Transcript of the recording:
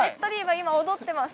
今踊ってます。